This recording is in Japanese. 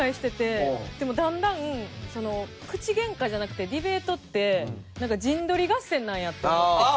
でもだんだん口ゲンカじゃなくてディベートってなんか陣取り合戦なんやって思ってきて。